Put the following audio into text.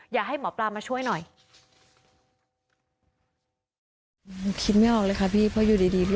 อยากให้หมอปลามาช่วยหน่อย